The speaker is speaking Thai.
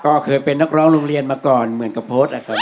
ก็เคยเป็นนักร้องโรงเรียนมาก่อนเหมือนกับโพสต์นะครับ